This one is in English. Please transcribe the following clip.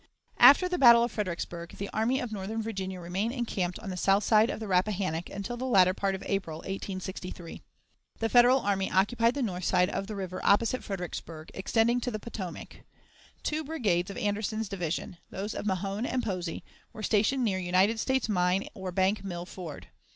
After the battle of Fredericksburg the Army of Northern Virginia remained encamped on the south side of the Rappahannock until the latter part of April, 1863. The Federal army occupied the north side of the river opposite Fredericksburg, extending to the Potomac. Two brigades of Anderson's division those of Mahone and Posey were stationed near United States Mine or Bank Mill Ford.